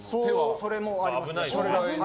それもあります。